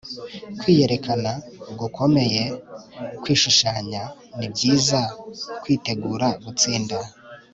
kwiyerekana gukomeye, kwishushanya ni byiza kwitegura gutsinda